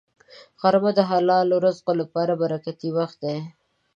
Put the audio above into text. غرمه د حلالو رزقونو لپاره برکتي وخت دی